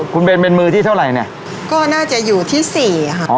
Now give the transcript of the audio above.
คุณเบนเป็นมือที่เท่าไหร่เนี่ยก็น่าจะอยู่ที่สี่ค่ะ